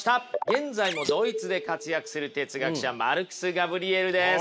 現在もドイツで活躍する哲学者マルクス・ガブリエルです。